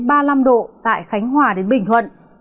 và ba mươi hai ba mươi năm độ tại khánh hòa đến bình thuận